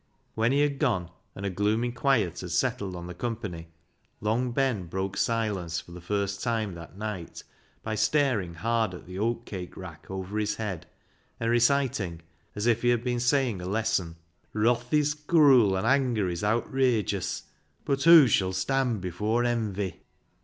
When he had gone, and a gloomy quiet had settled on the company, Long Ben broke silence for the first time that night by staring hard at the oatcake rack over his head and reciting as if he had been saying a lesson —"' Wrath is cruel and anger is outrageous, but who shall stand before envy